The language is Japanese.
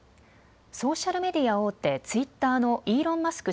ソーシャルメディア大手、ツイッターのイーロン・マスク